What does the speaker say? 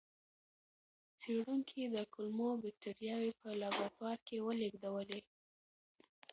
څېړونکي د کولمو بکتریاوې په لابراتوار کې ولېږدولې.